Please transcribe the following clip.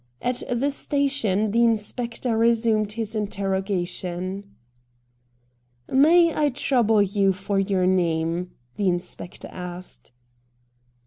At the station the inspector resumed his interro gation. ' May I trouble you for your name ?' the inspector asked.